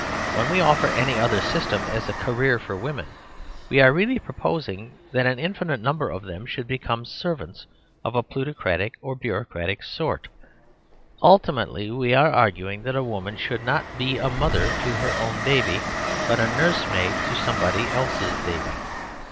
When we oflfer any other system as a "career for women," we are really proposing that an infinite number of them should become servants, of a pluto cratic or bureaucratic sort. Ultimately, we are arguing that a woman should not be a mother to her own baby, but a nursemaid to somebody else's baby.